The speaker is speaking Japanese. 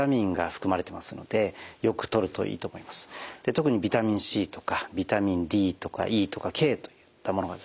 特にビタミンＣとかビタミンＤとかＥとかＫといったものがですね